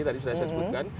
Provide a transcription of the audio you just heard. tadi sudah saya sebutkan